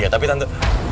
ya tapi tante